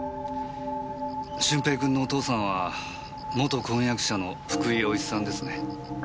駿平君のお父さんは元婚約者の福井陽一さんですね。